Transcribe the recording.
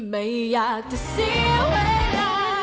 ไม่อยากจะเสียเวลา